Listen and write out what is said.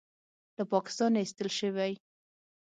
له پاکستانه ایستل شوی